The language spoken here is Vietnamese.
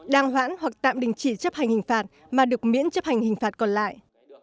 đang hoãn hoặc tạm đình chỉ chấp hành hình phạt mà được miễn chấp hành hình phạt còn lại